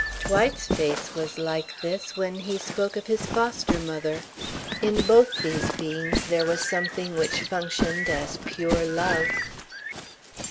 Dwight's face was like this when he spoke of his foster mother. In both these beings there was something which functioned as pure love.